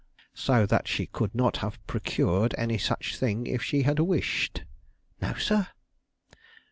"So that she could not have procured any such thing if she had wished?" "No, sir."